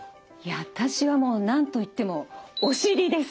私はもうなんといっても「おしり」です。